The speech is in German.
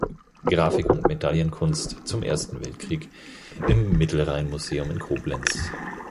Graphik und Medaillenkunst zum Ersten Weltkrieg" im Mittelrhein-Museum in Koblenz.